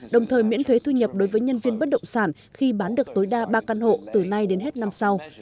đồng thời miễn thuế thu nhập đối với nhân viên bất động sản khi bán được tối đa ba căn hộ từ nay đến hết năm sau